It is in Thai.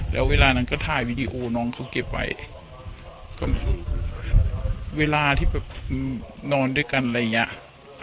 แล้วเวลานั้นก็ถ่ายวีดีโอน้องเขาเก็บไว้ก็เวลาที่แบบนอนด้วยกันอะไรอย่างเงี้ย